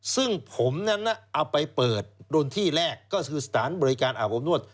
ซึ่งผมนั้นเอาไปเปิดโดนที่แรกก็คือสถานบริการอาบอบนวด